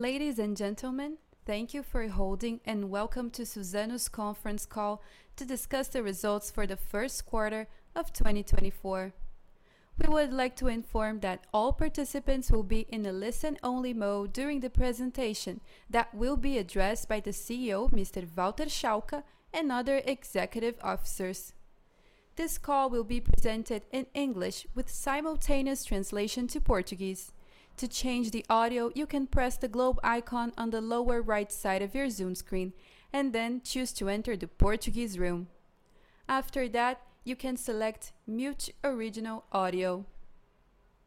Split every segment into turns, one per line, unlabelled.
Ladies and gentlemen, thank you for holding and welcome to Suzano's conference call to discuss the results for the first quarter of 2024. We would like to inform that all participants will be in a listen-only mode during the presentation that will be addressed by the CEO, Mr. Walter Schalka, and other executive officers. This call will be presented in English with simultaneous translation to Portuguese. To change the audio, you can press the globe icon on the lower right side of your Zoom screen and then choose to enter the Portuguese room. After that, you can select "Mute Original Audio."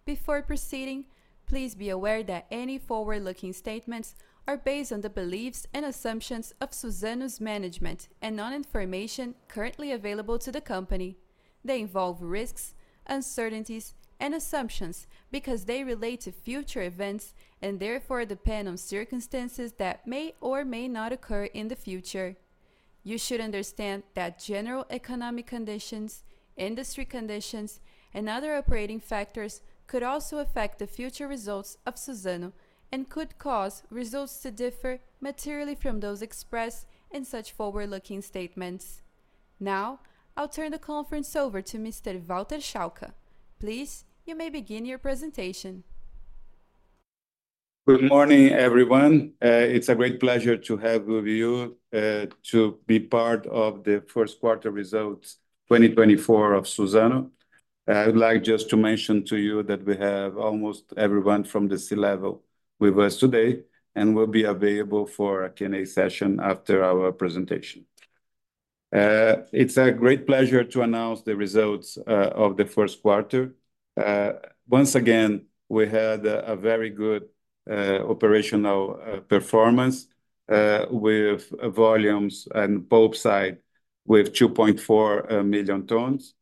Before proceeding, please be aware that any forward-looking statements are based on the beliefs and assumptions of Suzano's management and on information currently available to the company. They involve risks, uncertainties, and assumptions because they relate to future events and therefore depend on circumstances that may or may not occur in the future. You should understand that general economic conditions, industry conditions, and other operating factors could also affect the future results of Suzano and could cause results to differ materially from those expressed in such forward-looking statements. Now, I'll turn the conference over to Mr. Walter Schalka. Please, you may begin your presentation.
Good morning, everyone. It's a great pleasure to have you with me to be part of the first quarter results 2024 of Suzano. I would like just to mention to you that we have almost everyone from the C-level with us today and will be available for a Q&A session after our presentation. It's a great pleasure to announce the results of the first quarter. Once again, we had a very good operational performance with volumes on the pulp side with 2.4 million tons.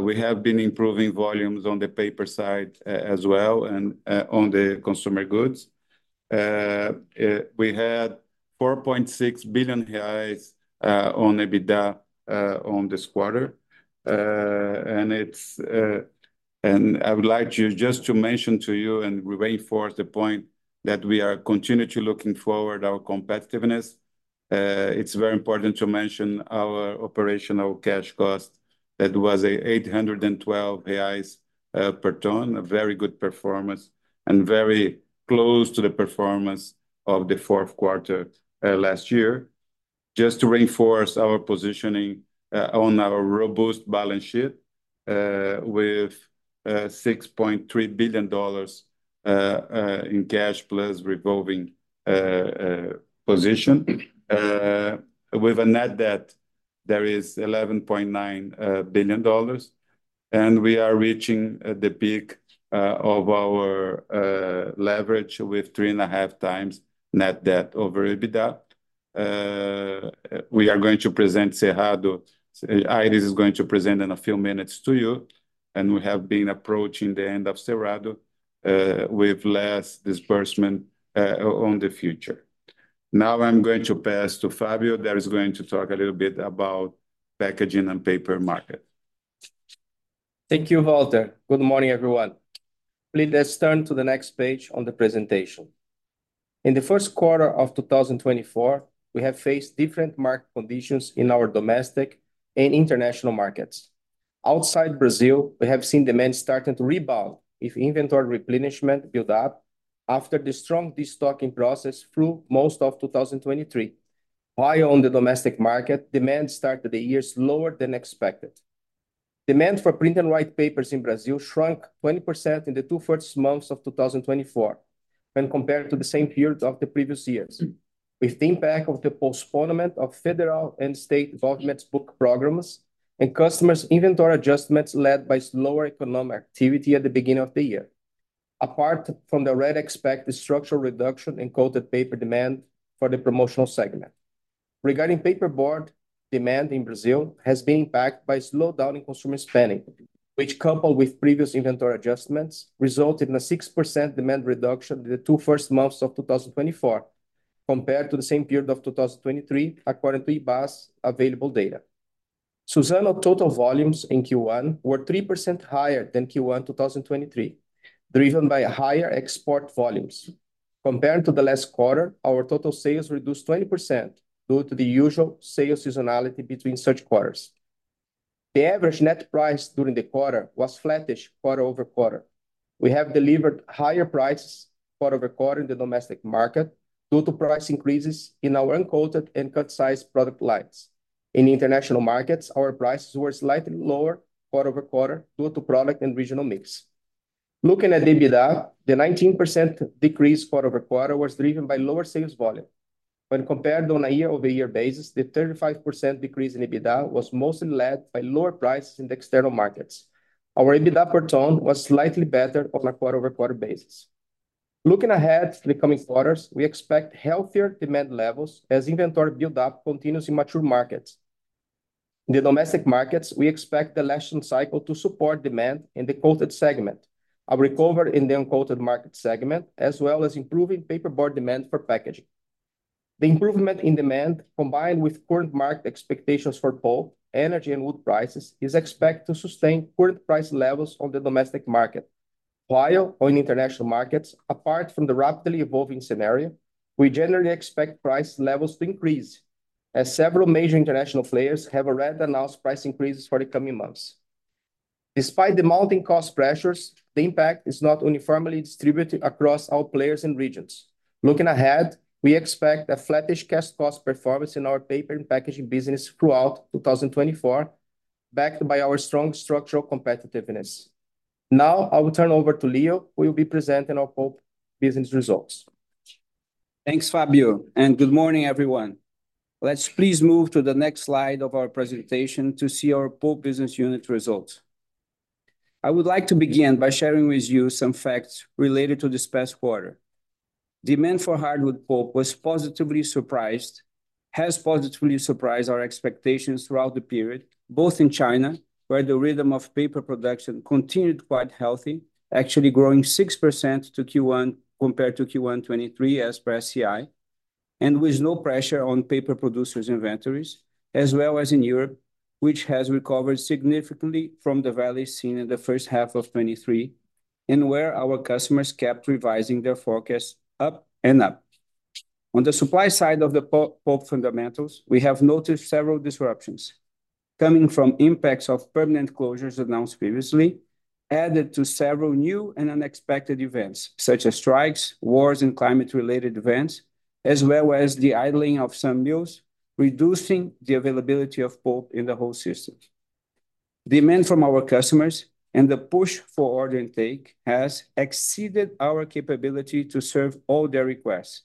We have been improving volumes on the paper side as well and on the consumer goods. We had 4.6 billion reais on EBITDA on this quarter. And it's and I would like just to mention to you and reinforce the point that we are continually looking forward to our competitiveness. It's very important to mention our operational cash cost that was 812 reais per ton, a very good performance and very close to the performance of the fourth quarter last year. Just to reinforce our positioning on our robust balance sheet with $6.3 billion in cash plus revolving position. With a net debt, there is $11.9 billion. We are reaching the peak of our leverage with 3.5x net debt over EBITDA. We are going to present Cerrado. Aires is going to present in a few minutes to you. We have been approaching the end of Cerrado with less disbursement on the future. Now I'm going to pass to Fabio that is going to talk a little bit about packaging and paper market. Thank you, Walter. Good morning, everyone. Please let's turn to the next page on the presentation. In the first quarter of 2024, we have faced different market conditions in our domestic and international markets. Outside Brazil, we have seen demand starting to rebound if inventory replenishment builds up after the strong destocking process through most of 2023. While on the domestic market, demand started the years lower than expected. Demand for print-and-write papers in Brazil shrunk 20% in the two first months of 2024 when compared to the same period of the previous years, with the impact of the postponement of federal and state government's book programs and customers' inventory adjustments led by slower economic activity at the beginning of the year. Apart from the already expected structural reduction in coated paper demand for the promotional segment. Regarding paperboard, demand in Brazil has been impacted by slowdown in consumer spending, which coupled with previous inventory adjustments resulted in a 6% demand reduction in the two first months of 2024 compared to the same period of 2023 according to Ibá's available data. Suzano total volumes in Q1 were 3% higher than Q1 2023, driven by higher export volumes. Compared to the last quarter, our total sales reduced 20% due to the usual sales seasonality between such quarters. The average net price during the quarter was flattish quarter-over-quarter. We have delivered higher prices quarter-over-quarter in the domestic market due to price increases in our uncoated woodfree and cut-size product lines. In international markets, our prices were slightly lower quarter-over-quarter due to product and regional mix. Looking at EBITDA, the 19% decrease quarter-over-quarter was driven by lower sales volume. When compared on a year-over-year basis, the 35% decrease in EBITDA was mostly led by lower prices in the external markets. Our EBITDA per ton was slightly better on a quarter-over-quarter basis. Looking ahead to the coming quarters, we expect healthier demand levels as inventory buildup continues in mature markets. In the domestic markets, we expect the seasonal cycle to support demand in the cut-size segment, a recovery in the uncoated woodfree market segment, as well as improving paperboard demand for packaging. The improvement in demand combined with current market expectations for pulp, energy, and wood prices is expected to sustain current price levels on the domestic market. While on international markets, apart from the rapidly evolving scenario, we generally expect price levels to increase as several major international players have already announced price increases for the coming months. Despite the mounting cost pressures, the impact is not uniformly distributed across our players and regions. Looking ahead, we expect a flattish Cash Cost performance in our paper and packaging business throughout 2024, backed by our strong structural competitiveness. Now I will turn over to Leo, who will be presenting our pulp business results.
Thanks, Fabio, and good morning, everyone. Let's please move to the next slide of our presentation to see our pulp business unit results. I would like to begin by sharing with you some facts related to this past quarter. Demand for hardwood pulp was positively surprised, has positively surprised our expectations throughout the period, both in China, where the rhythm of paper production continued quite healthy, actually growing 6% to Q1 compared to Q1 2023 as per SCI, and with no pressure on paper producers' inventories, as well as in Europe, which has recovered significantly from the valley seen in the first half of 2023 and where our customers kept revising their forecasts up and up. On the supply side of the pulp fundamentals, we have noticed several disruptions. Coming from impacts of permanent closures announced previously, added to several new and unexpected events such as strikes, wars, and climate-related events, as well as the idling of some mills, reducing the availability of pulp in the whole system. Demand from our customers and the push for order intake has exceeded our capability to serve all their requests.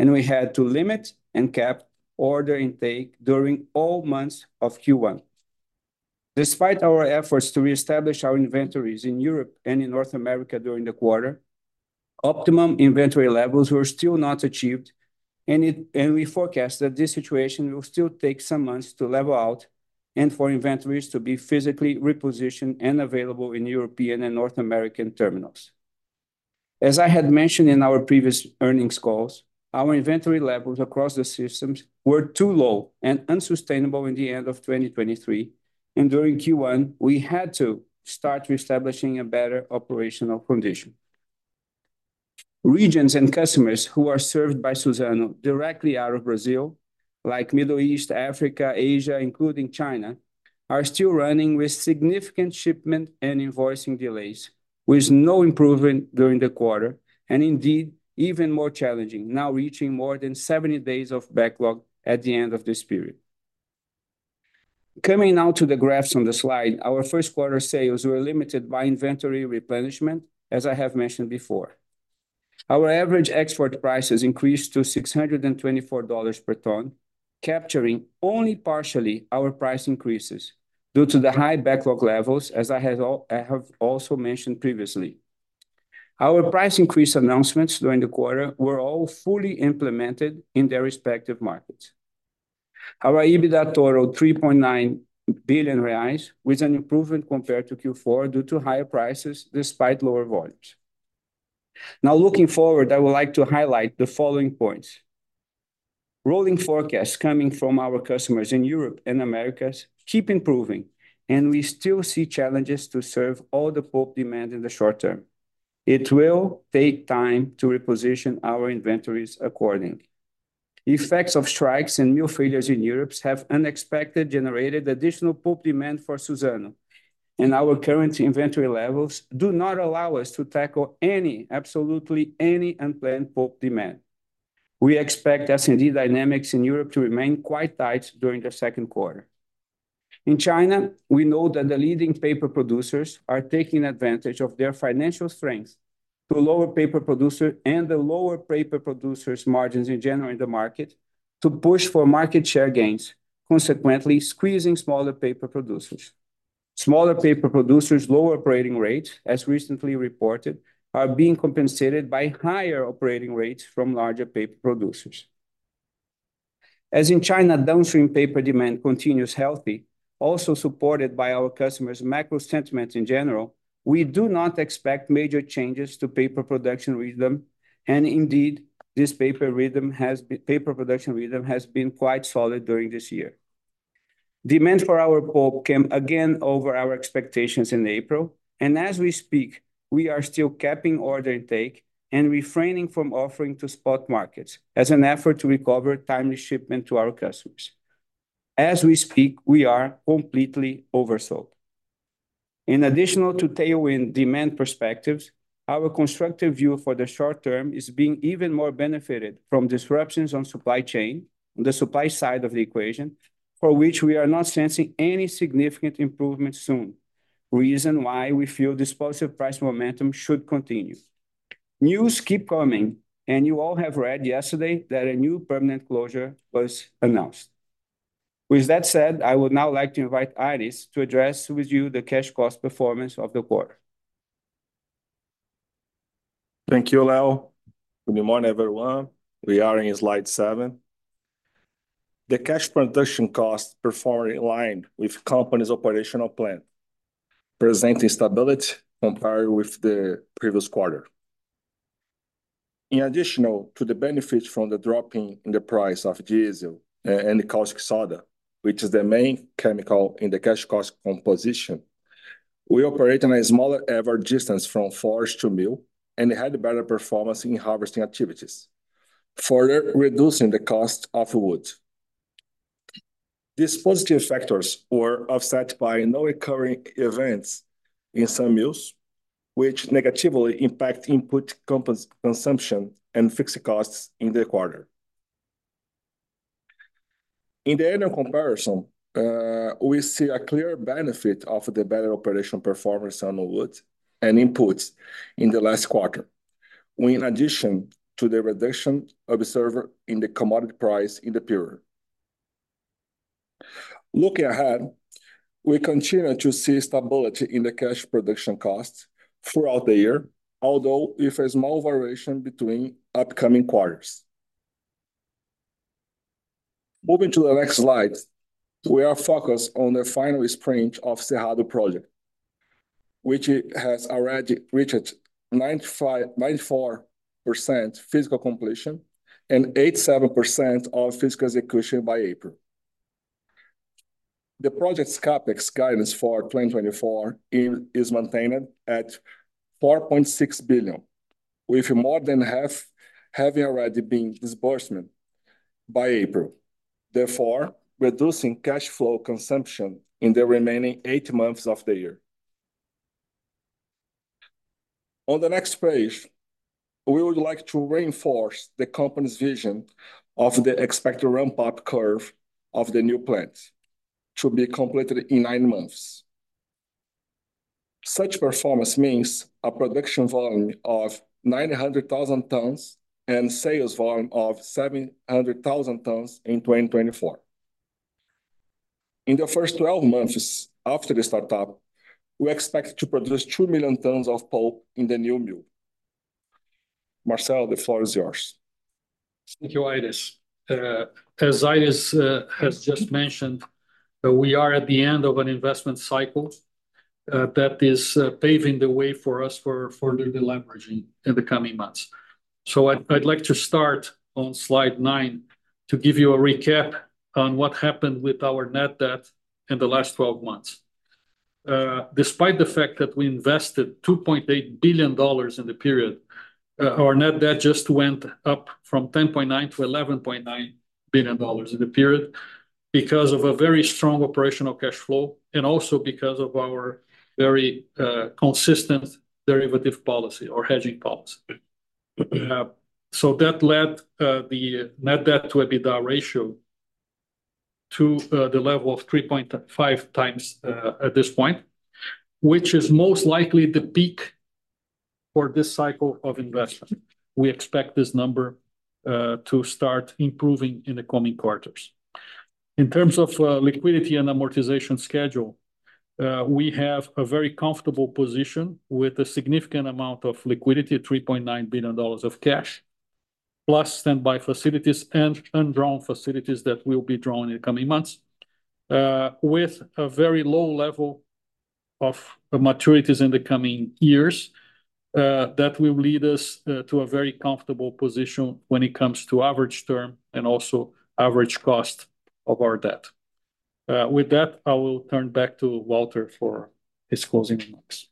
We had to limit and cap order intake during all months of Q1. Despite our efforts to reestablish our inventories in Europe and in North America during the quarter, optimum inventory levels were still not achieved. We forecast that this situation will still take some months to level out and for inventories to be physically repositioned and available in European and North American terminals. As I had mentioned in our previous earnings calls, our inventory levels across the systems were too low and unsustainable in the end of 2023. During Q1, we had to start reestablishing a better operational condition. Regions and customers who are served by Suzano directly out of Brazil, like Middle East, Africa, Asia, including China, are still running with significant shipment and invoicing delays, with no improvement during the quarter and indeed even more challenging, now reaching more than 70 days of backlog at the end of this period. Coming now to the graphs on the slide, our first quarter sales were limited by inventory replenishment, as I have mentioned before. Our average export prices increased to $624 per ton, capturing only partially our price increases due to the high backlog levels, as I have also mentioned previously. Our price increase announcements during the quarter were all fully implemented in their respective markets. Our EBITDA totaled 3.9 billion reais, with an improvement compared to Q4 due to higher prices despite lower volumes. Now looking forward, I would like to highlight the following points. Rolling forecasts coming from our customers in Europe and America keep improving, and we still see challenges to serve all the pulp demand in the short term. It will take time to reposition our inventories accordingly. Effects of strikes and mill failures in Europe have unexpectedly generated additional pulp demand for Suzano. Our current inventory levels do not allow us to tackle absolutely any unplanned pulp demand. We expect S&D dynamics in Europe to remain quite tight during the second quarter. In China, we know that the leading paper producers are taking advantage of their financial strengths to lower paper producers and the lower paper producers' margins in general in the market to push for market share gains, consequently squeezing smaller paper producers. Smaller paper producers' lower operating rates, as recently reported, are being compensated by higher operating rates from larger paper producers. As in China, downstream paper demand continues healthy, also supported by our customers' macro sentiment in general. We do not expect major changes to paper production rhythm. Indeed, this paper production rhythm has been quite solid during this year. Demand for our pulp came again over our expectations in April. As we speak, we are still capping order intake and refraining from offering to spot markets as an effort to recover timely shipment to our customers. As we speak, we are completely oversold. In addition to tailwind demand perspectives, our constructive view for the short term is being even more benefited from disruptions on supply chain, on the supply side of the equation, for which we are not sensing any significant improvement soon. Reason why we feel this positive price momentum should continue. News keep coming, and you all have read yesterday that a new permanent closure was announced. With that said, I would now like to invite Aires to address with you the cash cost performance of the quarter.
Thank you, Leo. Good morning, everyone. We are in slide 7. The cash production cost performing in line with companies' operational plan. Presenting stability compared with the previous quarter. In addition to the benefits from the dropping in the price of diesel and caustic soda, which is the main chemical in the cash cost composition. We operate on a smaller average distance from forest to mill and had better performance in harvesting activities. Further reducing the cost of wood. These positive factors were offset by non-occurring events in some mills. Which negatively impact input consumption and fixed costs in the quarter. In the end of comparison, we see a clear benefit of the better operational performance on wood and inputs in the last quarter. When in addition to the reduction observed in the commodity price in the period. Looking ahead. We continue to see stability in the cash production costs throughout the year, although with a small variation between upcoming quarters. Moving to the next slide. We are focused on the final sprint of Cerrado Project. Which has already reached 95%-94% physical completion and 87% of physical execution by April. The project's CapEx guidance for 2024 is maintained at 4.6 billion. With more than half having already been disbursed by April. Therefore, reducing cash flow consumption in the remaining eight months of the year. On the next page. We would like to reinforce the company's vision of the expected ramp-up curve of the new plants. To be completed in nine months. Such performance means a production volume of 900,000 tons and sales volume of 700,000 tons in 2024. In the first 12 months after the startup. We expect to produce 2 million tons of pulp in the new mill. Marcelo, the floor is yours.
Thank you, Aires. As Aires has just mentioned, we are at the end of an investment cycle. That is paving the way for us for further deleveraging in the coming months. So I'd like to start on slide 9 to give you a recap on what happened with our net debt in the last 12 months. Despite the fact that we invested $2.8 billion in the period, our net debt just went up from $10.9 billion to $11.9 billion in the period. Because of a very strong operational cash flow and also because of our very consistent derivative policy or hedging policy, so that led the net debt to EBITDA ratio to the level of 3.5x at this point. Which is most likely the peak for this cycle of investment. We expect this number to start improving in the coming quarters. In terms of liquidity and amortization schedule. We have a very comfortable position with a significant amount of liquidity, $3.9 billion of cash. Plus standby facilities and undrawn facilities that will be drawn in the coming months. With a very low level of maturities in the coming years. That will lead us to a very comfortable position when it comes to average term and also average cost of our debt. With that, I will turn back to Walter for his closing remarks.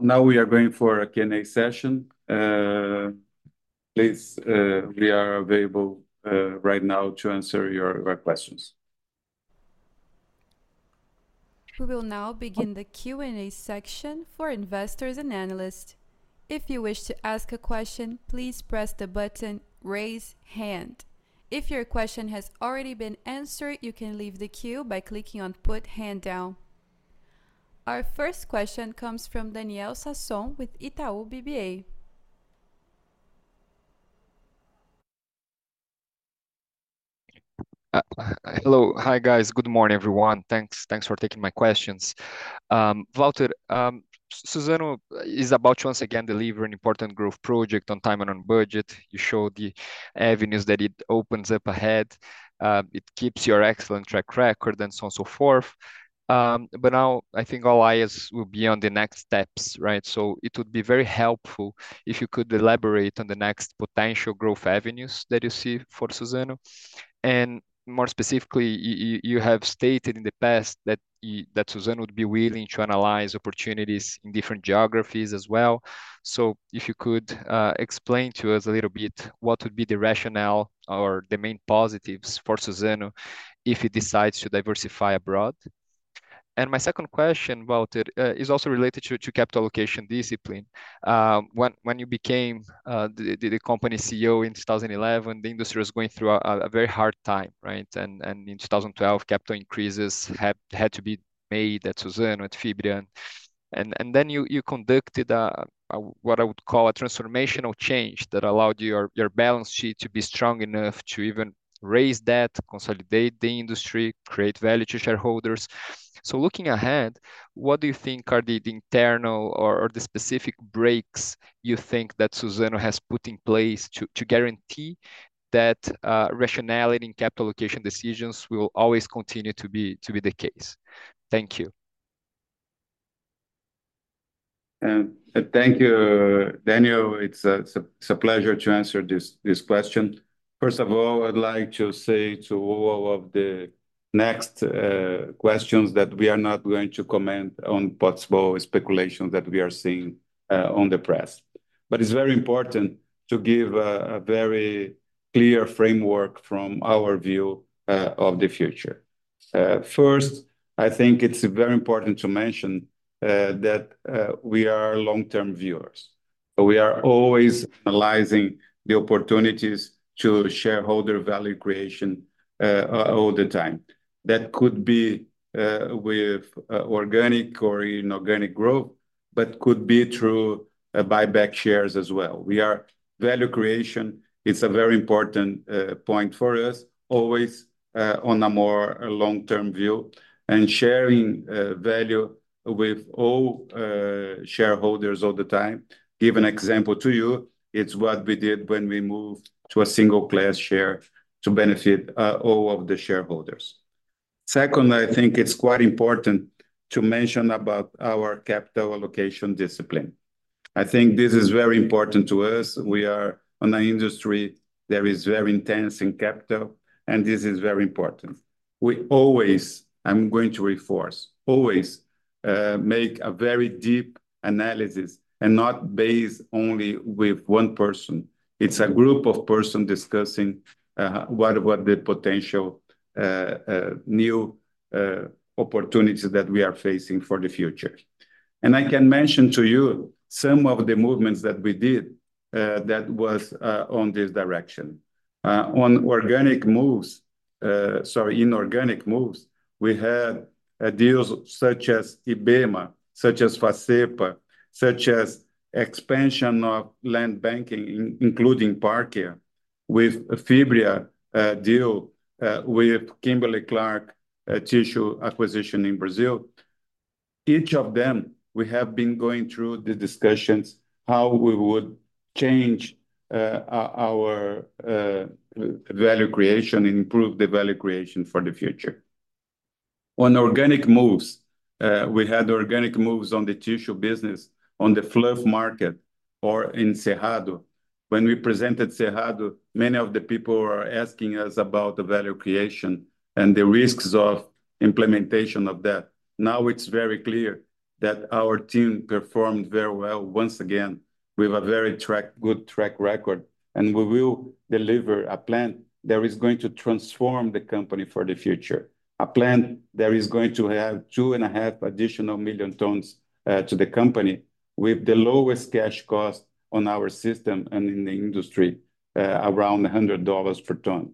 Now we are going for a Q&A session. Please, we are available right now to answer your questions. We will now begin the Q&A section for investors and analysts. If you wish to ask a question, please press the button raise hand. If your question has already been answered, you can leave the queue by clicking on put hand down. Our first question comes from Daniel Sasson with Itaú BBA.
Hello, hi guys. Good morning, everyone. Thanks. Thanks for taking my questions. Walter, Suzano is about to once again deliver an important growth project on time and on budget. You showed the avenues that it opens up ahead. It keeps your excellent track record and so on and so forth. But now I think all eyes will be on the next steps, right? So it would be very helpful if you could elaborate on the next potential growth avenues that you see for Suzano. And more specifically, you have stated in the past that Suzano would be willing to analyze opportunities in different geographies as well. So if you could explain to us a little bit what would be the rationale or the main positives for Suzano if it decides to diversify abroad. And my second question, Walter, is also related to capital allocation discipline. When you became the company CEO in 2011, the industry was going through a very hard time, right? In 2012, capital increases had to be made at Suzano, at Fibria. Then you conducted what I would call a transformational change that allowed your balance sheet to be strong enough to even raise debt, consolidate the industry, create value to shareholders. Looking ahead, what do you think are the internal or the specific breaks you think that Suzano has put in place to guarantee that rationality in capital allocation decisions will always continue to be the case? Thank you.
Thank you, Daniel. It's a pleasure to answer this question. First of all, I'd like to say to all of the next questions that we are not going to comment on possible speculations that we are seeing on the press. But it's very important to give a very clear framework from our view of the future. First, I think it's very important to mention that we are long-term viewers. We are always analyzing the opportunities to shareholder value creation all the time. That could be with organic or inorganic growth, but could be through buyback shares as well. We are value creation. It's a very important point for us, always on a more long-term view and sharing value with all shareholders all the time. Give an example to you. It's what we did when we moved to a single class share to benefit all of the shareholders. Second, I think it's quite important to mention about our capital allocation discipline. I think this is very important to us. We are on an industry that is very intense in capital, and this is very important. We always, I'm going to reinforce, always make a very deep analysis and not based only with one person. It's a group of people discussing what the potential new opportunities that we are facing for the future. I can mention to you some of the movements that we did that was on this direction. On organic moves. Sorry, inorganic moves. We had deals such as Ibema, such as Facepa, such as expansion of land banking, including Parkia. With Fibria deal with Kimberly-Clark tissue acquisition in Brazil. Each of them, we have been going through the discussions how we would change our value creation and improve the value creation for the future. On organic moves. We had organic moves on the tissue business, on the fluff market, or in Cerrado. When we presented Cerrado, many of the people were asking us about the value creation and the risks of implementation of that. Now it's very clear that our team performed very well once again. With a very good track record, and we will deliver a plan that is going to transform the company for the future. A plan that is going to have 2.5 million additional tons to the company with the lowest cash cost on our system and in the industry. Around $100 per ton.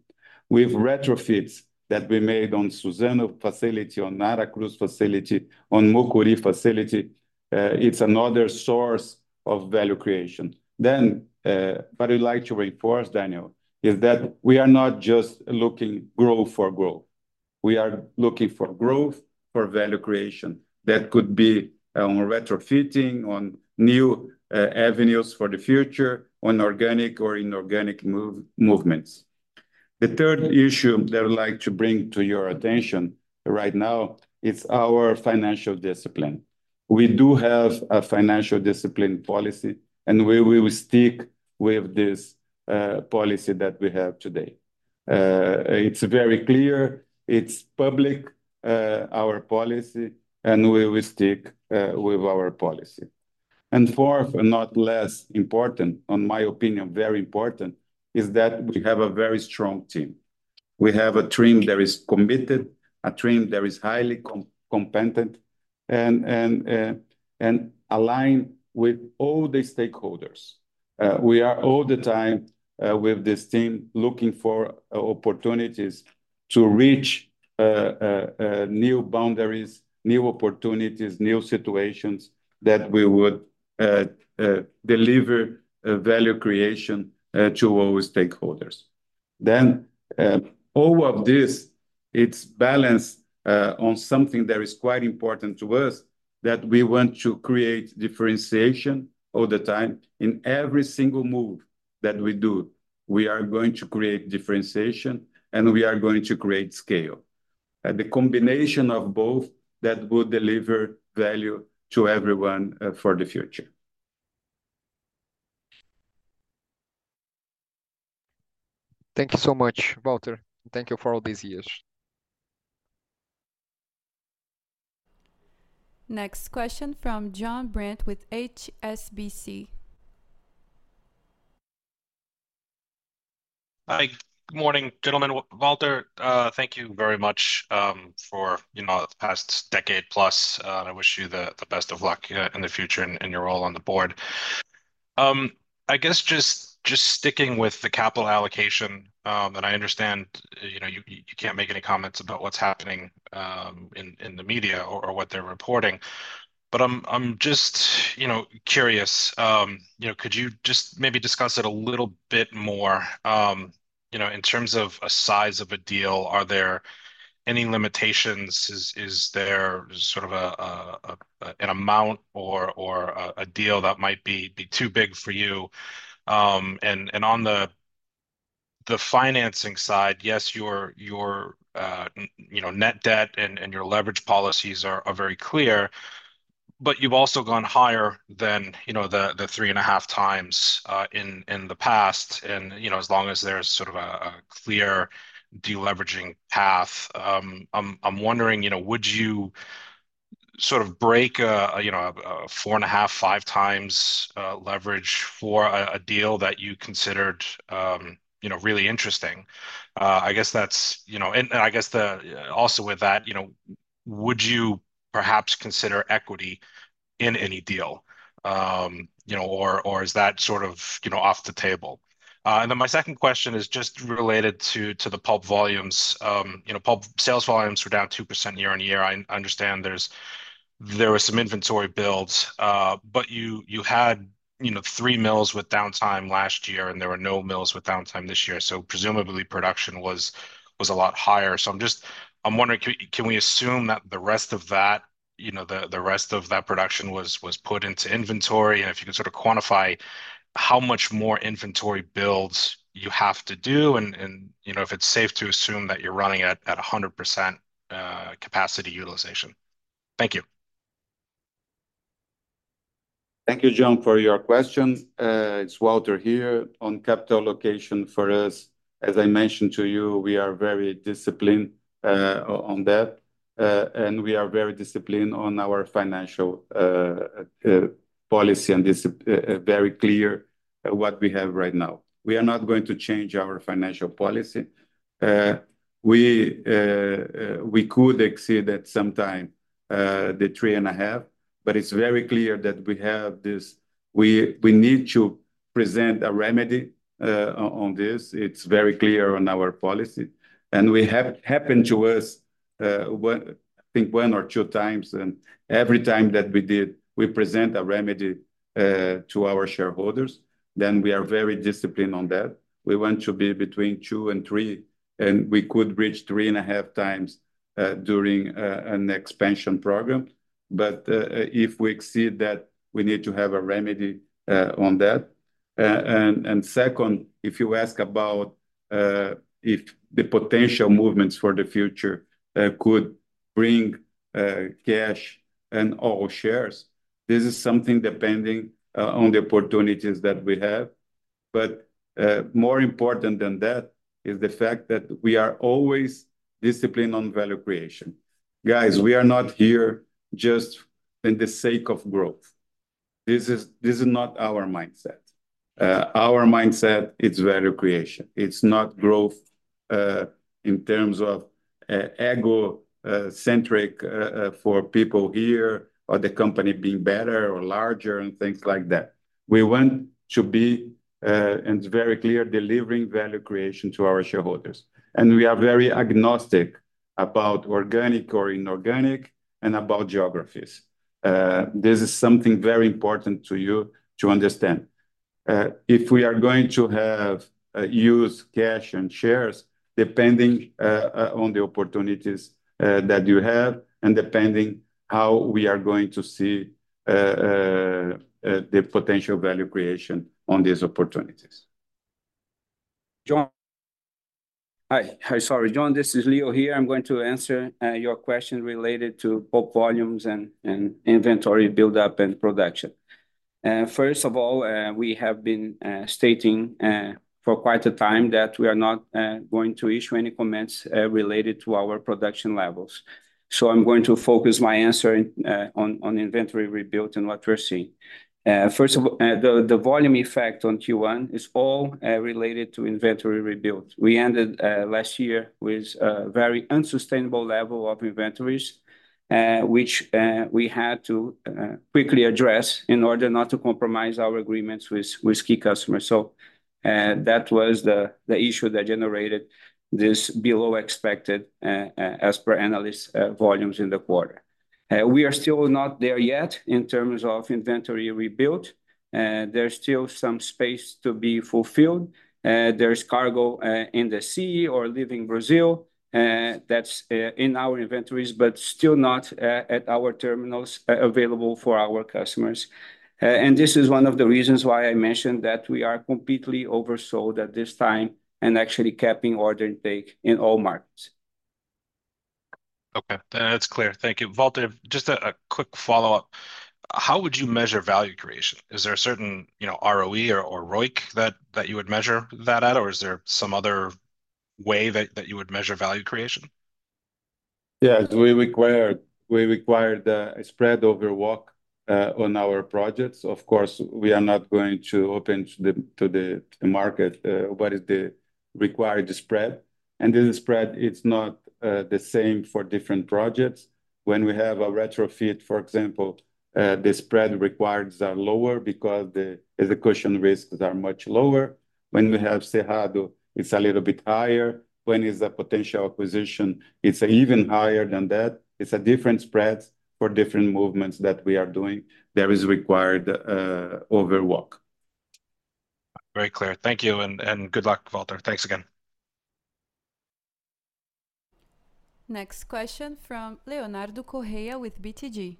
With retrofits that we made on Suzano facility, on Aracruz facility, on Mucuri facility. It's another source of value creation. Then, what I'd like to reinforce, Daniel, is that we are not just looking growth for growth. We are looking for growth for value creation that could be on retrofitting, on new avenues for the future, on organic or inorganic movements. The third issue that I'd like to bring to your attention right now, it's our financial discipline. We do have a financial discipline policy, and we will stick with this policy that we have today. It's very clear. It's public, our policy, and we will stick with our policy. And fourth and not less important, in my opinion, very important, is that we have a very strong team. We have a team that is committed, a team that is highly competent. And align with all the stakeholders. We are all the time with this team looking for opportunities to reach new boundaries, new opportunities, new situations that we would deliver value creation to all stakeholders. All of this, it's balanced on something that is quite important to us. That we want to create differentiation all the time in every single move that we do. We are going to create differentiation and we are going to create scale. The combination of both that would deliver value to everyone for the future.
Thank you so much, Walter. Thank you for all these years.
Next question from John Brandt with HSBC.
Hi, good morning, gentlemen. Walter, thank you very much for the past decade plus. I wish you the best of luck in the future and your role on the board. I guess just sticking with the capital allocation that I understand you can't make any comments about what's happening in the media or what they're reporting. But I'm just curious, could you just maybe discuss it a little bit more in terms of a size of a deal? Are there any limitations? Is there sort of an amount or a deal that might be too big for you? And on the financing side, yes, your net debt and your leverage policies are very clear. But you've also gone higher than the 3.5 times in the past and as long as there's sort of a clear deleveraging path. I'm wondering, would you sort of break a 4.5-5 times leverage for a deal that you considered really interesting? I guess that's, and I guess also with that, would you perhaps consider equity in any deal? Or is that sort of off the table? And then my second question is just related to the pulp volumes. Pulp sales volumes were down 2% year-on-year. I understand there were some inventory builds, but you had three mills with downtime last year and there were no mills with downtime this year. So presumably production was a lot higher. So I'm wondering, can we assume that the rest of that, the rest of that production was put into inventory? And if you could sort of quantify how much more inventory builds you have to do and if it's safe to assume that you're running at 100% capacity utilization. Thank you.
Thank you, John, for your question. It's Walter here on capital allocation for us. As I mentioned to you, we are very disciplined on that. And we are very disciplined on our financial policy and very clear what we have right now. We are not going to change our financial policy. We could exceed at some time the 3.5, but it's very clear that we have this. We need to present a remedy on this. It's very clear on our policy. And we have happened to us, I think 1 or 2 times, and every time that we did, we present a remedy to our shareholders. Then we are very disciplined on that. We want to be between 2 and 3, and we could reach 3.5 times during an expansion program. But if we exceed that, we need to have a remedy on that. Second, if you ask about if the potential movements for the future could bring cash and all shares, this is something depending on the opportunities that we have. But more important than that is the fact that we are always disciplined on value creation. Guys, we are not here just for the sake of growth. This is not our mindset. Our mindset, it's value creation. It's not growth in terms of egocentric for people here or the company being better or larger and things like that. We want to be, and it's very clear, delivering value creation to our shareholders. And we are very agnostic about organic or inorganic and about geographies. This is something very important to you to understand. If we are going to use cash and shares depending on the opportunities that you have and depending on how we are going to see the potential value creation on these opportunities.
Hi, sorry, John, this is Leo here. I'm going to answer your question related to bulk volumes and inventory build up and production. First of all, we have been stating for quite a time that we are not going to issue any comments related to our production levels. So I'm going to focus my answer on inventory rebuild and what we're seeing. First of all, the volume effect on Q1 is all related to inventory rebuild. We ended last year with a very unsustainable level of inventories, which we had to quickly address in order not to compromise our agreements with key customers. That was the issue that generated this below expected as per analyst volumes in the quarter. We are still not there yet in terms of inventory rebuild. There's still some space to be fulfilled. There's cargo in the sea or leaving Brazil. That's in our inventories, but still not at our terminals available for our customers. And this is one of the reasons why I mentioned that we are completely oversold at this time and actually capping order intake in all markets.
Okay, that's clear. Thank you. Walter, just a quick follow-up. How would you measure value creation? Is there a certain ROE or ROIC that you would measure that at, or is there some other way that you would measure value creation?
Yeah, we required a spread over WACCon our projects. Of course, we are not going to open to the market what is the required spread. And this spread, it's not the same for different projects. When we have a retrofit, for example, the spread requires are lower because the execution risks are much lower. When we have Cerrado, it's a little bit higher. When it's a potential acquisition, it's even higher than that. It's a different spread for different movements that we are doing. There is required over WACC.
Very clear. Thank you and good luck, Walter. Thanks again.
Next question from Leonardo Correa with BTG.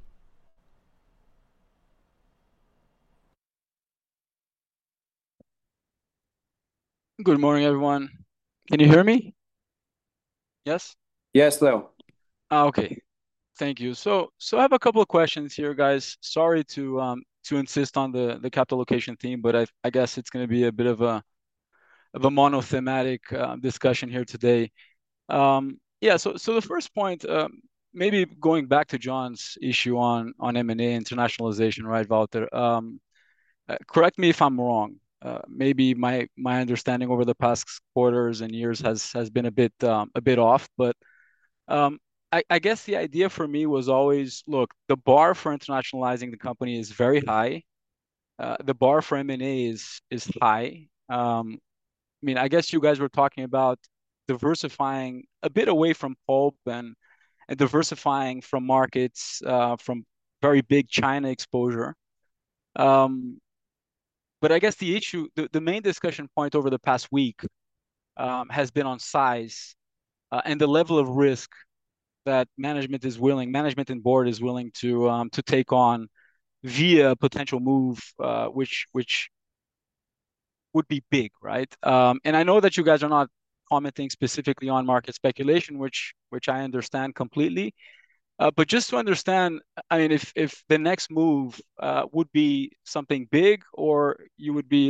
Good morning, everyone. Can you hear me? Yes?
Yes, Leo.
Okay. Thank you. So I have a couple of questions here, guys. Sorry to insist on the capital allocation theme, but I guess it's going to be a bit of a monothematic discussion here today. Yeah, so the first point, maybe going back to John's issue on M&A internationalization, right, Walter? Correct me if I'm wrong. Maybe my understanding over the past quarters and years has been a bit off, but I guess the idea for me was always, look, the bar for internationalizing the company is very high. The bar for M&A is high. I mean, I guess you guys were talking about diversifying a bit away from pulp and diversifying from markets, from very big China exposure. But I guess the issue, the main discussion point over the past week has been on size and the level of risk that management is willing, management and board is willing to take on via potential move, which would be big, right? And I know that you guys are not commenting specifically on market speculation, which I understand completely. But just to understand, I mean, if the next move would be something big or you would be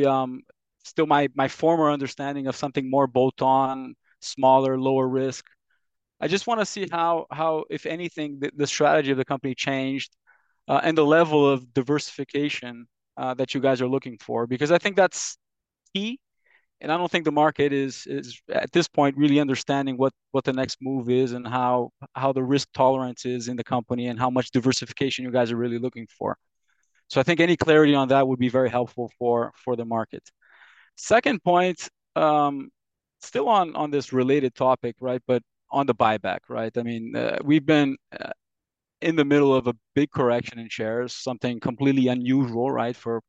still my former understanding of something more bolt-on, smaller, lower risk. I just want to see how, if anything, the strategy of the company changed and the level of diversification that you guys are looking for because I think that's key. I don't think the market is at this point really understanding what the next move is and how the risk tolerance is in the company and how much diversification you guys are really looking for. So I think any clarity on that would be very helpful for the market. Second point, still on this related topic, right, but on the buyback, right? I mean, we've been in the middle of a big correction in shares, something completely unusual, right, for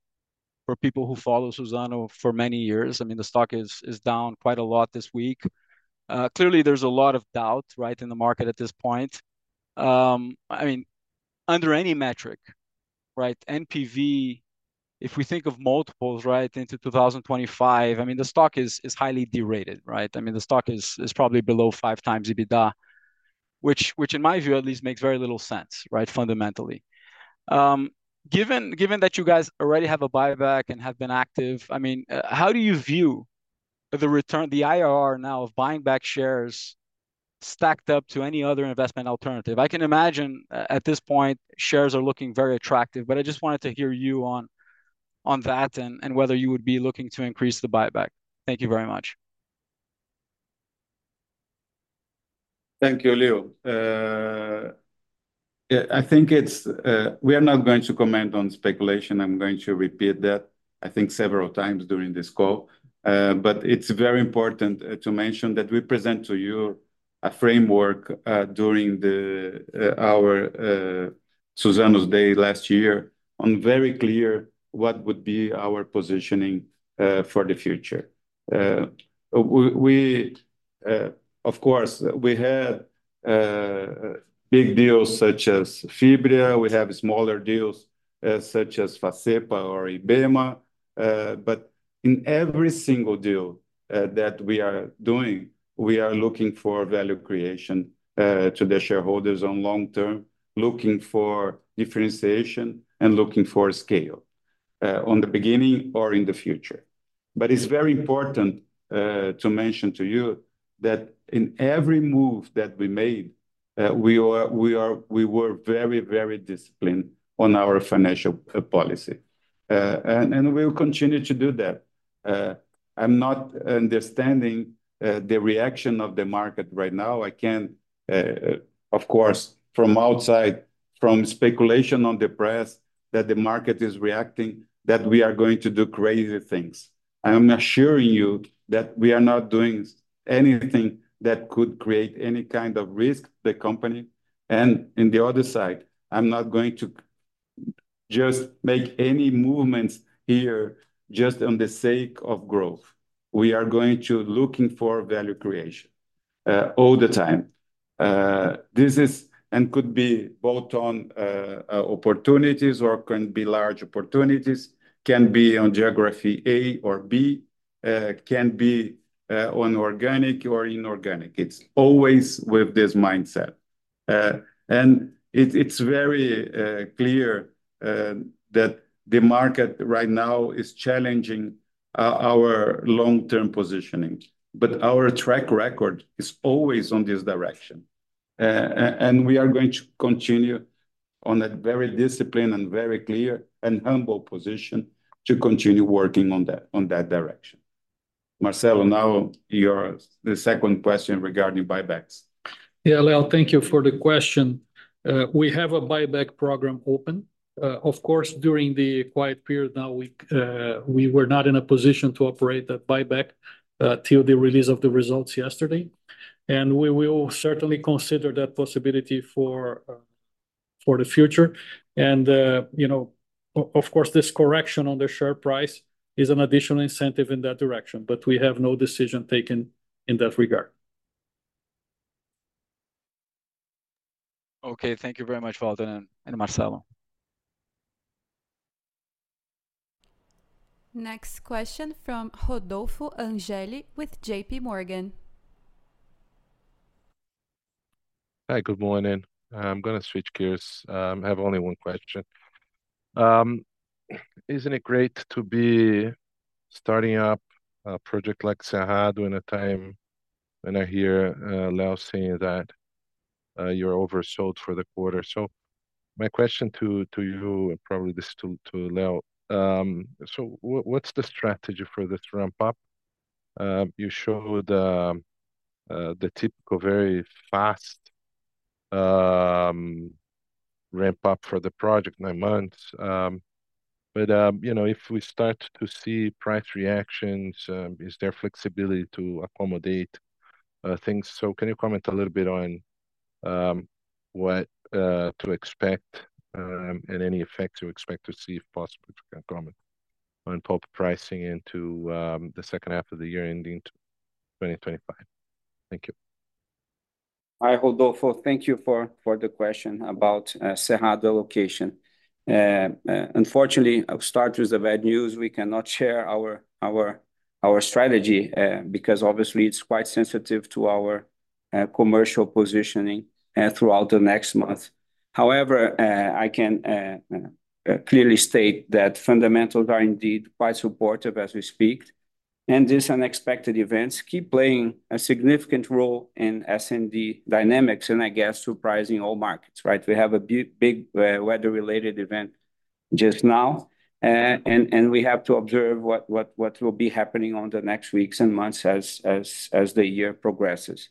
people who follow Suzano for many years. I mean, the stock is down quite a lot this week. Clearly, there's a lot of doubt, right, in the market at this point. I mean, under any metric, right, NPV, if we think of multiples, right, into 2025, I mean, the stock is highly derated, right? I mean, the stock is probably below 5x EBITDA, which in my view at least makes very little sense, right, fundamentally. Given that you guys already have a buyback and have been active, I mean, how do you view the return, the IRR now of buying back shares stacked up to any other investment alternative? I can imagine at this point shares are looking very attractive, but I just wanted to hear you on that and whether you would be looking to increase the buyback. Thank you very much.
Thank you, Leo. I think we are not going to comment on speculation. I'm going to repeat that, I think several times during this call. But it's very important to mention that we presented to you a framework during our Suzano Day last year on very clear what would be our positioning for the future. Of course, we had big deals such as Fibria. We have smaller deals such as Facepa or Ibema. But in every single deal that we are doing, we are looking for value creation to the shareholders on long term, looking for differentiation and looking for scale on the beginning or in the future. But it's very important to mention to you that in every move that we made, we were very, very disciplined on our financial policy. And we will continue to do that. I'm not understanding the reaction of the market right now. I can, of course, from outside, from speculation on the press that the market is reacting, that we are going to do crazy things. I'm assuring you that we are not doing anything that could create any kind of risk to the company. In the other side, I'm not going to just make any movements here just for the sake of growth. We are going to be looking for value creation all the time. This is and could be bolt-on opportunities or can be large opportunities. Can be on geography A or B. Can be on organic or inorganic. It's always with this mindset. It's very clear that the market right now is challenging our long-term positioning. But our track record is always in this direction. We are going to continue on a very disciplined and very clear and humble position to continue working on that direction. Marcelo, now your second question regarding buybacks.
Yeah, Leo, thank you for the question. We have a buyback program open. Of course, during the quiet period now, we were not in a position to operate that buyback till the release of the results yesterday. And we will certainly consider that possibility for the future. And of course, this correction on the share price is an additional incentive in that direction, but we have no decision taken in that regard.
Okay, thank you very much, Walter and Marcelo.
Next question from Rodolfo Angele with J.P. Morgan.
Hi, good morning. I'm going to switch gears. I have only one question. Isn't it great to be starting up a project like Cerrado in a time when I hear Leo saying that you're oversold for the quarter? So my question to you, and probably this is to Leo, so what's the strategy for this ramp-up? You showed the typical very fast ramp-up for the project, nine months. But if we start to see price reactions, is there flexibility to accommodate things? So can you comment a little bit on what to expect and any effects you expect to see if possible? If you can comment on pulp pricing into the second half of the year ending 2025? Thank you.
Hi, Rodolfo. Thank you for the question about Cerrado location. Unfortunately, I'll start with the bad news. We cannot share our strategy because obviously it's quite sensitive to our commercial positioning throughout the next month. However, I can clearly state that fundamentals are indeed quite supportive as we speak. And these unexpected events keep playing a significant role in S&D dynamics and I guess surprising all markets, right? We have a big weather-related event just now. And we have to observe what will be happening on the next weeks and months as the year progresses.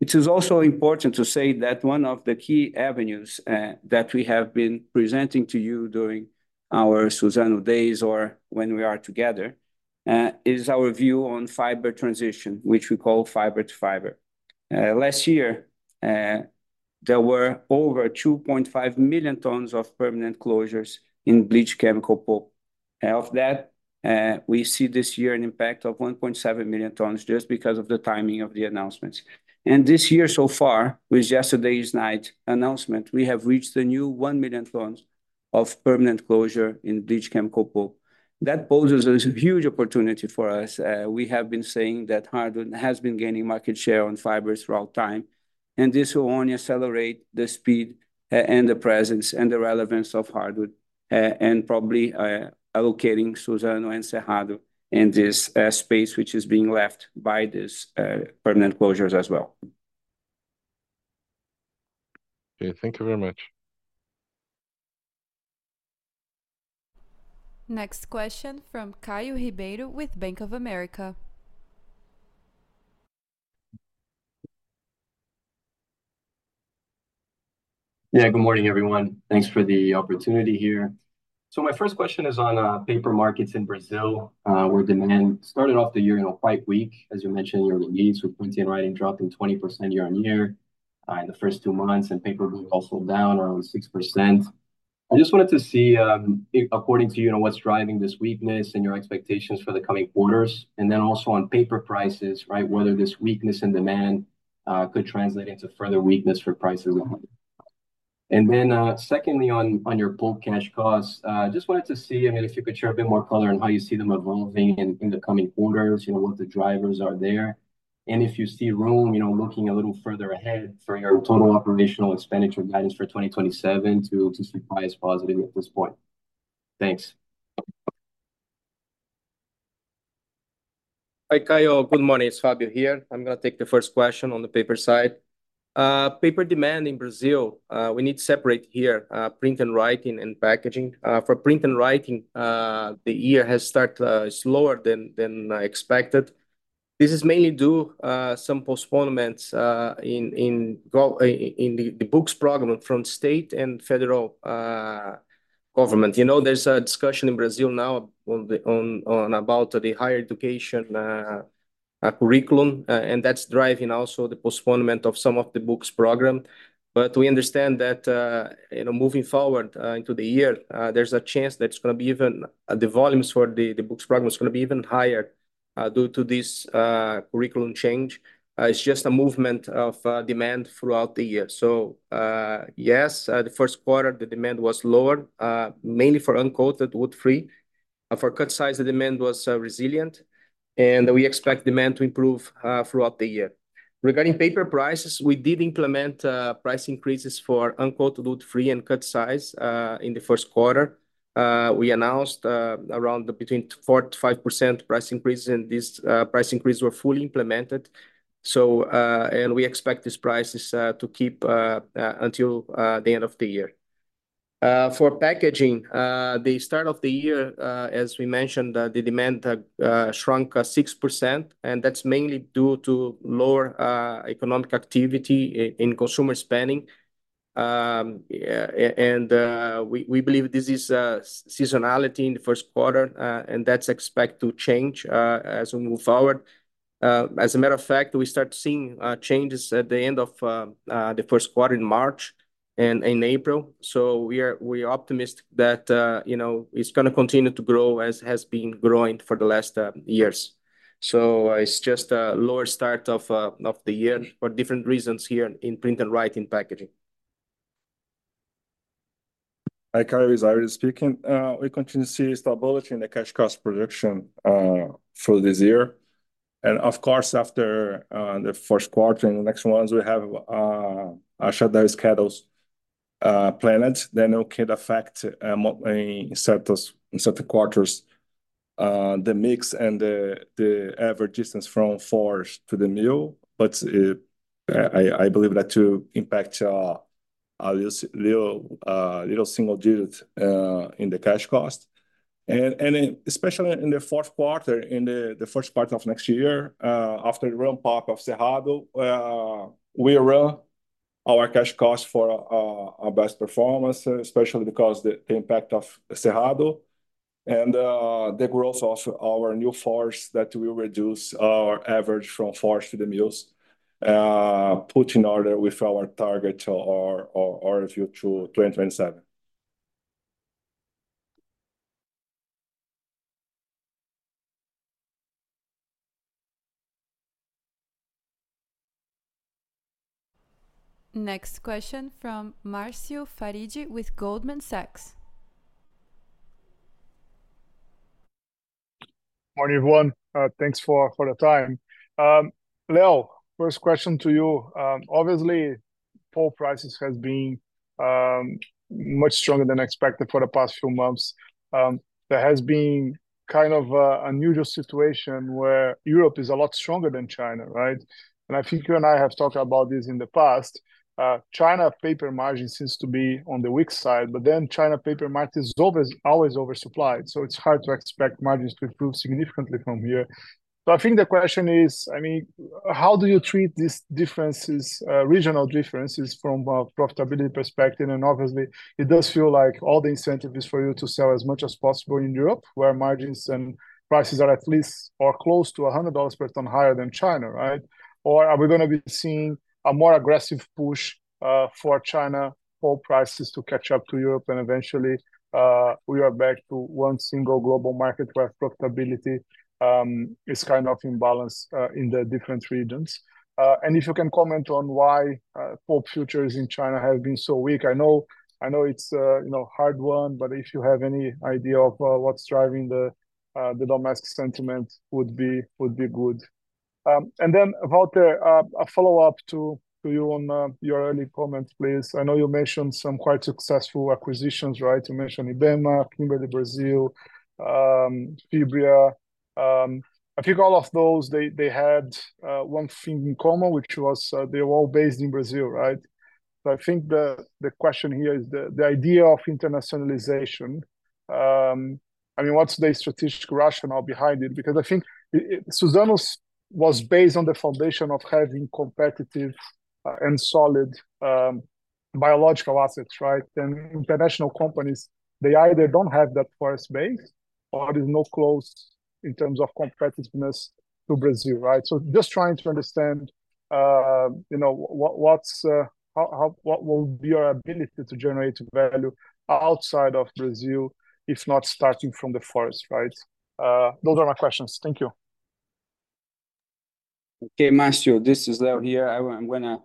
It is also important to say that one of the key avenues that we have been presenting to you during our Suzano days or when we are together is our view on fiber transition, which we call fiber to fiber. Last year, there were over 2.5 million tons of permanent closures in bleached chemical pulp. Of that, we see this year an impact of 1.7 million tons just because of the timing of the announcements. And this year so far, with yesterday's night announcement, we have reached 1 million tons of permanent closure in bleached chemical pulp. That poses a huge opportunity for us. We have been saying that hardwood has been gaining market share on fibers throughout time. And this will only accelerate the speed and the presence and the relevance of hardwood and probably allocating Suzano and Cerrado in this space, which is being left by these permanent closures as well.
Okay, thank you very much.
Next question from Caio Ribeiro with Bank of America.
Yeah, good morning, everyone. Thanks for the opportunity here. So my first question is on paper markets in Brazil where demand started off the year quite weak. As you mentioned, your leads, with printing and writing dropping 20% year-over-year in the first two months and paper books also down around 6%. I just wanted to see, according to you, what's driving this weakness and your expectations for the coming quarters. And then also on paper prices, right, whether this weakness in demand could translate into further weakness for prices of paper. And then secondly, on your pulp cash costs, I just wanted to see, I mean, if you could share a bit more color on how you see them evolving in the coming quarters, what the drivers are there. If you see room looking a little further ahead for your total operational expenditure guidance for 2027 to see price positive at this point? Thanks. Hi Caio, good morning. It's Fabio here. I'm going to take the first question on the paper side. Paper demand in Brazil, we need to separate here print and writing and packaging. For print and writing, the year has started slower than expected. This is mainly due to some postponements in the books program from state and federal government. There's a discussion in Brazil now about the higher education curriculum, and that's driving also the postponement of some of the books program. But we understand that moving forward into the year, there's a chance that it's going to be even the volumes for the books program is going to be even higher due to this curriculum change. It's just a movement of demand throughout the year. So yes, the Q1, the demand was lower, mainly for uncoated woodfree. For cut-size, the demand was resilient. We expect demand to improve throughout the year. Regarding paper prices, we did implement price increases for uncoated woodfree and cut-size in the Q1. We announced around between 4%-5% price increases, and these price increases were fully implemented. We expect these prices to keep until the end of the year. For packaging, the start of the year, as we mentioned, the demand shrunk 6%, and that's mainly due to lower economic activity in consumer spending. We believe this is seasonality in the Q1, and that's expected to change as we move forward. As a matter of fact, we started seeing changes at the end of the Q1 in March and in April. We're optimistic that it's going to continue to grow as it has been growing for the last years. It's just a lower start of the year for different reasons here in print and writing packaging.
Hi Caio, it's Iris speaking. We continue to see stability in the cash cost projection for this year. Of course, after the Q1 and the next ones, we have a shutdown scheduled planned. Then it could affect in certain quarters the mix and the average distance from forest to the mill. But I believe that to impact a little single digit in the cash cost. And especially in the Q4, in the first part of next year, after the ramp-up of Cerrado, we run our cash cost for our best performance, especially because of the impact of Cerrado and the growth of our new forest that will reduce our average from forest to the mills, put in order with our target or review to 2027.
Next question from Marcio Farid with Goldman Sachs.
Morning, everyone. Thanks for the time. Leo, first question to you. Obviously, pulp prices have been much stronger than expected for the past few months. There has been kind of an unusual situation where Europe is a lot stronger than China, right? And I think you and I have talked about this in the past. China paper margin seems to be on the weak side, but then China paper market is always oversupplied. So it's hard to expect margins to improve significantly from here. So I think the question is, I mean, how do you treat these regional differences from a profitability perspective? And obviously, it does feel like all the incentive is for you to sell as much as possible in Europe, where margins and prices are at least or close to $100 per ton higher than China, right? Or are we going to be seeing a more aggressive push for China pulp prices to catch up to Europe and eventually we are back to one single global market where profitability is kind of imbalanced in the different regions? And if you can comment on why pulp futures in China have been so weak? I know it's a hard one, but if you have any idea of what's driving the domestic sentiment, it would be good. And then Walter, a follow-up to you on your early comments, please. I know you mentioned some quite successful acquisitions, right? You mentioned Ibema, Kimberly Brazil, Fibria. I think all of those they had one thing in common, which was they were all based in Brazil, right? So I think the question here is the idea of internationalization. I mean, what's the strategic rationale behind it? Because I think Suzano was based on the foundation of having competitive and solid biological assets, right? And international companies, they either don't have that forest base or there's no closeness in terms of competitiveness to Brazil, right? So just trying to understand what will be your ability to generate value outside of Brazil, if not starting from the forest, right? Those are my questions. Thank you.
Okay, Marcio, this is Leo here. I'm going to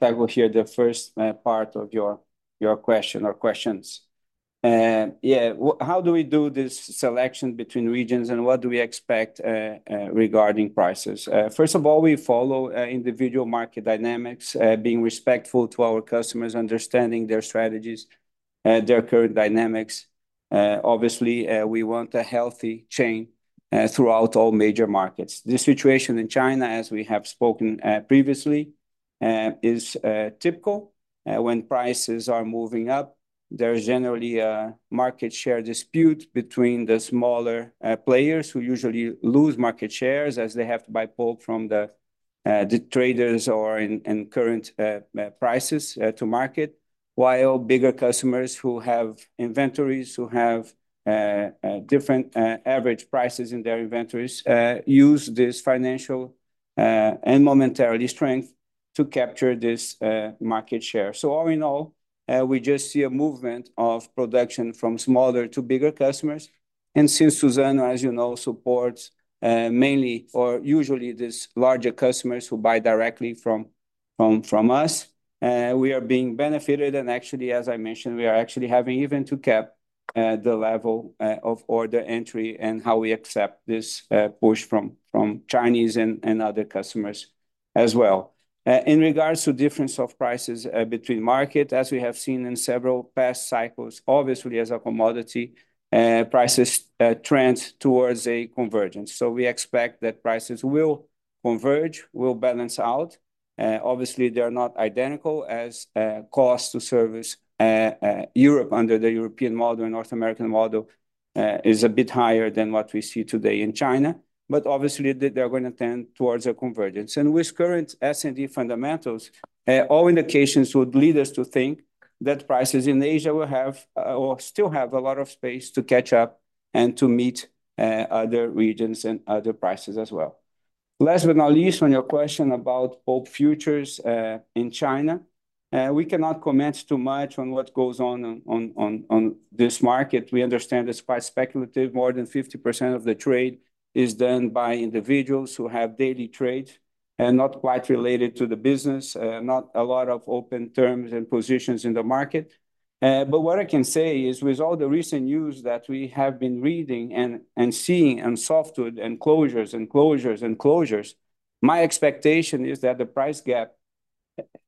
tackle here the first part of your question or questions. Yeah, how do we do this selection between regions and what do we expect regarding prices? First of all, we follow individual market dynamics, being respectful to our customers, understanding their strategies, their current dynamics. Obviously, we want a healthy chain throughout all major markets. This situation in China, as we have spoken previously, is typical. When prices are moving up, there's generally a market share dispute between the smaller players who usually lose market shares as they have to buy pulp from the traders or in current prices to market. While bigger customers who have inventories who have different average prices in their inventories use this financial and momentarily strength to capture this market share. So all in all, we just see a movement of production from smaller to bigger customers. And since Suzano, as you know, supports mainly or usually these larger customers who buy directly from us, we are being benefited. And actually, as I mentioned, we are actually having even to cap the level of order entry and how we accept this push from Chinese and other customers as well. In regards to difference of prices between markets, as we have seen in several past cycles, obviously, as a commodity, prices trend towards a convergence. So we expect that prices will converge, will balance out. Obviously, they are not identical as cost to service Europe under the European model and North American model is a bit higher than what we see today in China. But obviously, they're going to tend towards a convergence. With current S&D fundamentals, all indications would lead us to think that prices in Asia will have or still have a lot of space to catch up and to meet other regions and other prices as well. Last but not least, on your question about pulp futures in China, we cannot comment too much on what goes on in this market. We understand it's quite speculative. More than 50% of the trade is done by individuals who have daily trades and not quite related to the business, not a lot of open terms and positions in the market. But what I can say is with all the recent news that we have been reading and seeing and softwood and closures and closures and closures, my expectation is that the price gap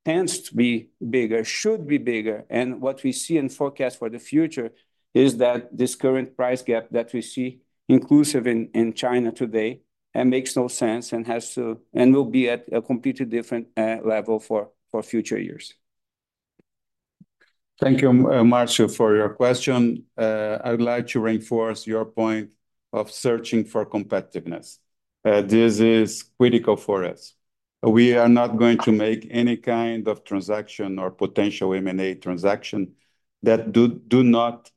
tends to be bigger, should be bigger. What we see and forecast for the future is that this current price gap that we see inclusive in China today makes no sense and will be at a completely different level for future years.
Thank you, Marcio, for your question. I would like to reinforce your point of searching for competitiveness. This is critical for us. We are not going to make any kind of transaction or potential M&A transaction that do not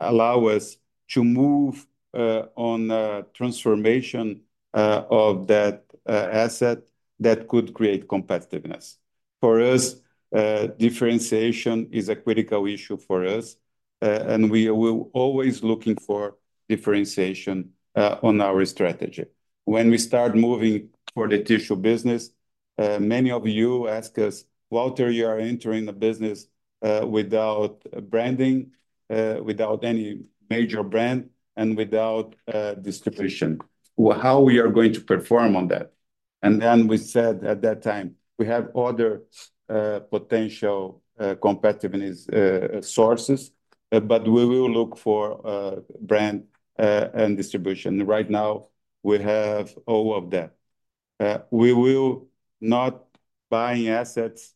allow us to move on transformation of that asset that could create competitiveness. For us, differentiation is a critical issue for us. We will always be looking for differentiation on our strategy. When we start moving for the tissue business, many of you ask us, "Walter, you are entering a business without branding, without any major brand, and without distribution. How are we going to perform on that?" Then we said at that time, "We have other potential competitiveness sources, but we will look for brand and distribution. Right now, we have all of that. We will not buy assets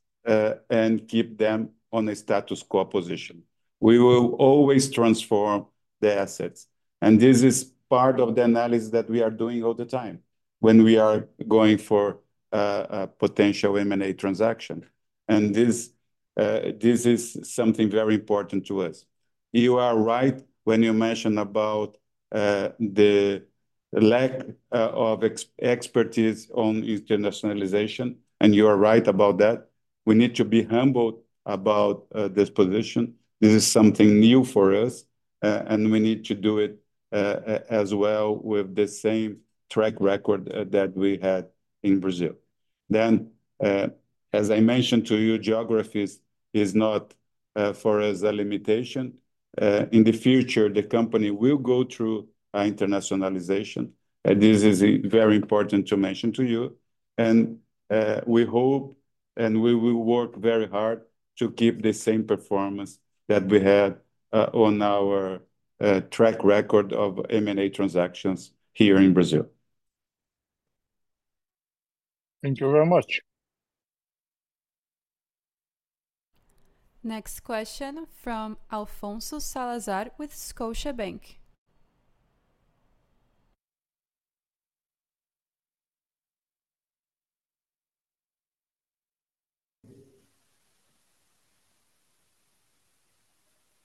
and keep them on a status quo position. We will always transform the assets." This is part of the analysis that we are doing all the time when we are going for potential M&A transactions. This is something very important to us. You are right when you mentioned about the lack of expertise on internationalization, and you are right about that. We need to be humbled about this position. This is something new for us, and we need to do it as well with the same track record that we had in Brazil. As I mentioned to you, geography is not for us a limitation. In the future, the company will go through internationalization. This is very important to mention to you. We hope and we will work very hard to keep the same performance that we had on our track record of M&A transactions here in Brazil. Thank you very much.
Next question from Alfonso Salazar with Scotiabank.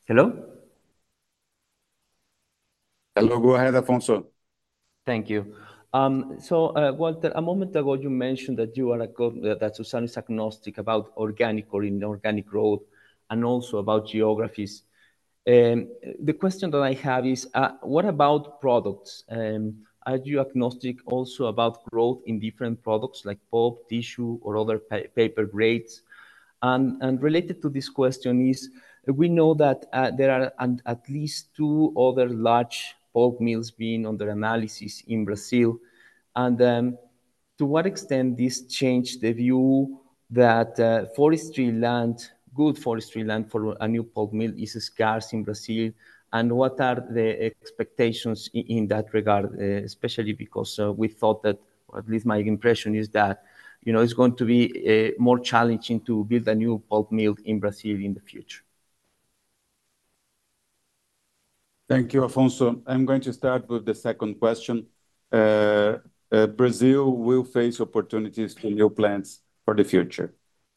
Hello? Hello, go ahead, Alfonso.
Thank you. So Walter, a moment ago, you mentioned that Suzano is agnostic about organic or inorganic growth and also about geographies. The question that I have is, what about products? Are you agnostic also about growth in different products like pulp, tissue, or other paper grades? And related to this question is, we know that there are at least two other large pulp mills being under analysis in Brazil. And to what extent does this change the view that good forestry land for a new pulp mill is scarce in Brazil? And what are the expectations in that regard, especially because we thought that, or at least my impression is that, it's going to be more challenging to build a new pulp mill in Brazil in the future?
Thank you, Alfonso. I'm going to start with the second question. Brazil will face opportunities for new plants for the future.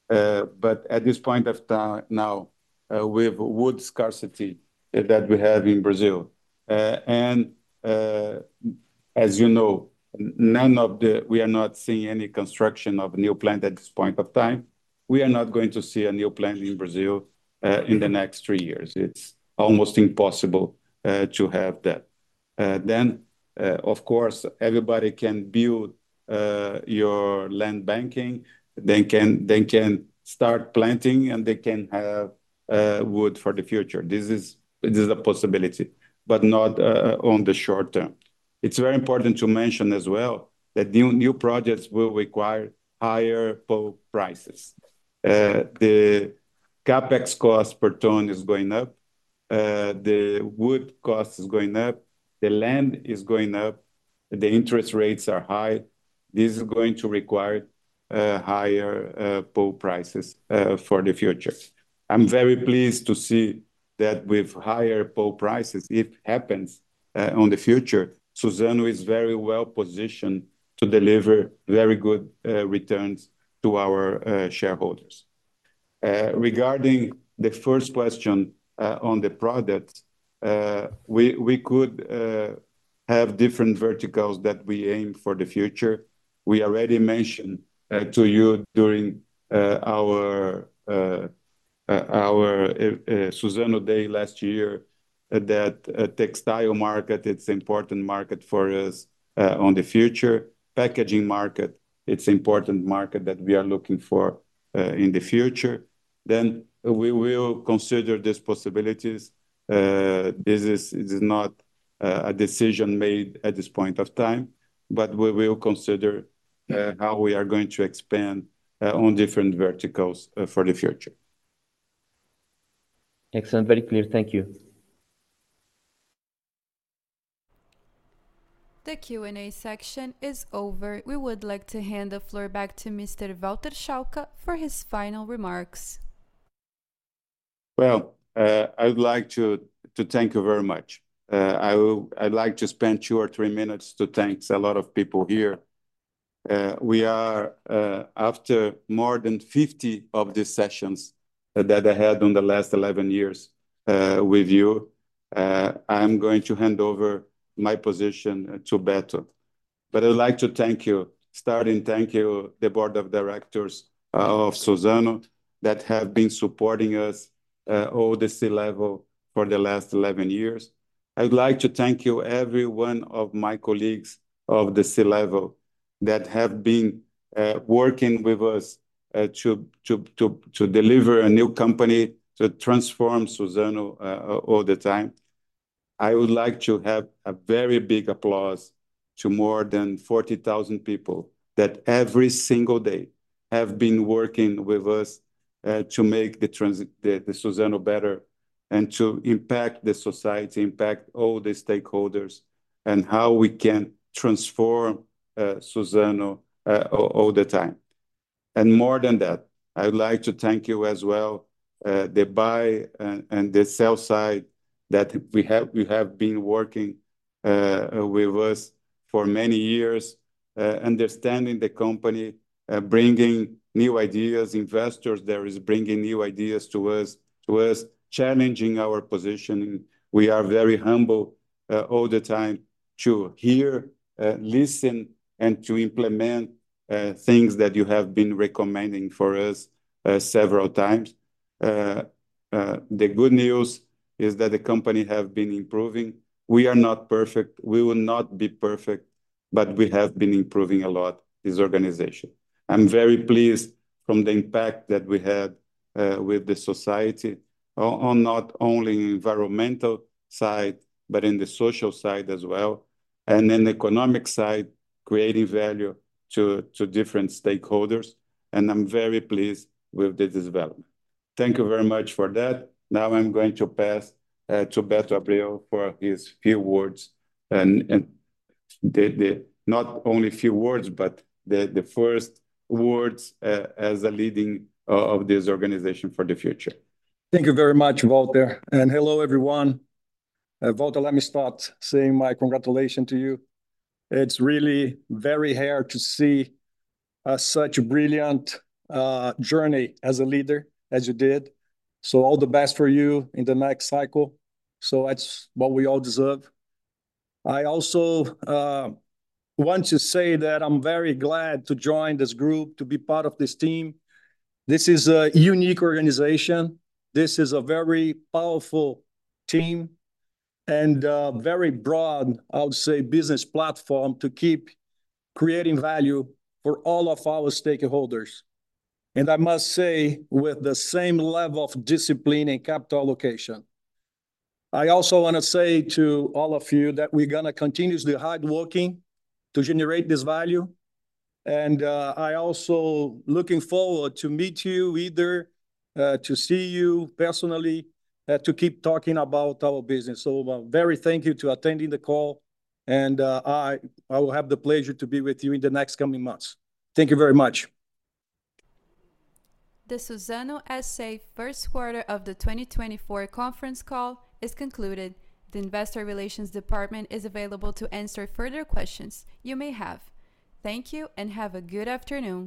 But at this point of time now, with wood scarcity that we have in Brazil, and as you know, we are not seeing any construction of new plants at this point of time, we are not going to see a new plant in Brazil in the next three years. It's almost impossible to have that. Then, of course, everybody can build your land banking, then can start planting, and they can have wood for the future. This is a possibility, but not on the short term. It's very important to mention as well that new projects will require higher pulp prices. The Capex cost per ton is going up. The wood cost is going up. The land is going up. The interest rates are high. This is going to require higher pulp prices for the future. I'm very pleased to see that with higher pulp prices, if it happens in the future. Suzano is very well positioned to deliver very good returns to our shareholders. Regarding the first question on the products, we could have different verticals that we aim for the future. We already mentioned to you during our Suzano Day last year that the textile market, it's an important market for us in the future. The packaging market, it's an important market that we are looking for in the future. Then we will consider these possibilities. This is not a decision made at this point of time, but we will consider how we are going to expand on different verticals for the future.
Excellent. Very clear. Thank you.
The Q&A section is over. We would like to hand the floor back to Mr. Walter Schalka for his final remarks.
Well, I would like to thank you very much. I would like to spend 2 or 3 minutes to thank a lot of people here. We are after more than 50 of these sessions that I had in the last 11 years with you. I'm going to hand over my position to Beto. But I would like to thank you, starting with thanking the board of directors of Suzano, that have been supporting us at the C-level for the last 11 years. I would like to thank every one of my colleagues of the C-level that have been working with us to deliver a new company, to transform Suzano all the time. I would like to have a very big applause to more than 40,000 people that every single day have been working with us to make Suzano better and to impact the society, impact all the stakeholders, and how we can transform Suzano all the time. And more than that, I would like to thank you as well, the buy and the sell side that we have been working with us for many years, understanding the company, bringing new ideas, investors that are bringing new ideas to us, challenging our position. We are very humble all the time to hear, listen, and to implement things that you have been recommending for us several times. The good news is that the company has been improving. We are not perfect. We will not be perfect. But we have been improving a lot, this organization. I'm very pleased with the impact that we had with the society, not only on the environmental side, but on the social side as well. On the economic side, creating value to different stakeholders. I'm very pleased with the development. Thank you very much for that. Now I'm going to pass to Beto Abreu for his few words. Not only few words, but the first words as a leader of this organization for the future.
Thank you very much, Walter. Hello, everyone. Walter, let me start by saying my congratulations to you. It's really very rare to see such a brilliant journey as a leader as you did. All the best for you in the next cycle. That's what we all deserve. I also want to say that I'm very glad to join this group, to be part of this team. This is a unique organization. This is a very powerful team and a very broad, I would say, business platform to keep creating value for all of our stakeholders. I must say, with the same level of discipline and capital allocation. I also want to say to all of you that we're going to continue the hard work to generate this value. I'm also looking forward to meeting you, either to see you personally, to keep talking about our business. A very thank you for attending the call. I will have the pleasure to be with you in the next coming months. Thank you very much.
The Suzano S.A. Q1 of the 2024 conference call is concluded. The Investor Relations Department is available to answer further questions you may have. Thank you and have a good afternoon.